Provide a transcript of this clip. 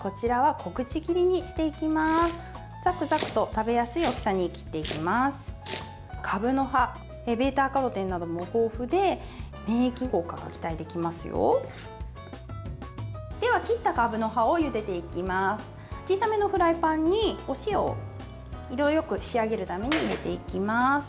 小さめのフライパンにお塩を色よく仕上げるために入れていきます。